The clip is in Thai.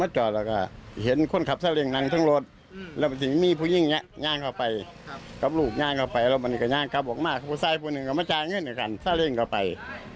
ต้องกับประมาณตั้งแต่บ่ายสามบ่ายสี่จนถ้าพอเย็นเกือบทุ่ม